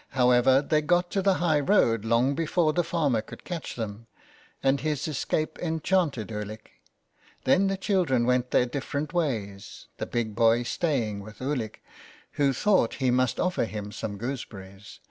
However, they got to the high road long before the farmer could catch them, and his escape enchanted Ulick. Then the children went their different ways, the big boy staying with Ulick, who thought he must offer him some gooseberries.